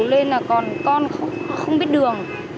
nên là còn con không biết đường